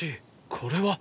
これは！